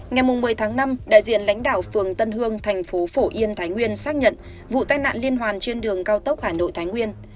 ngày một mươi tháng năm đại diện lãnh đạo phường tân hương thành phố phổ yên thái nguyên xác nhận vụ tai nạn liên hoàn trên đường cao tốc hà nội thái nguyên